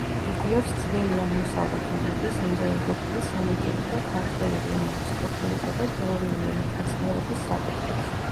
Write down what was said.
იკვლევს ძველი აღმოსავლეთ ენების, ინდოევროპული, სემიტური და ქართველური ენების სტრუქტურისა და თეორიული ენათმეცნიერების საკითხებს.